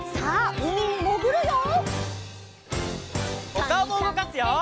おかおもうごかすよ！